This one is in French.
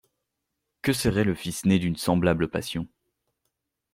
Que serait le fils né d'une semblable passion?